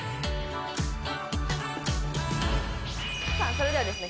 さあそれではですね